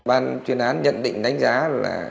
ban chuyên án nhận định đánh giá là